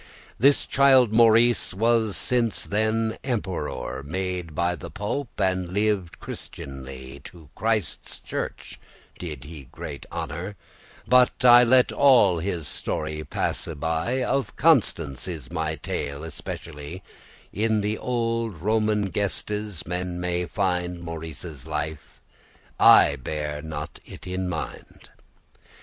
This child Maurice was since then emperor Made by the Pope, and lived Christianly, To Christe's Churche did he great honor: But I let all his story passe by, Of Constance is my tale especially, In the olde Roman gestes* men may find *histories<19> Maurice's life, I bear it not in mind.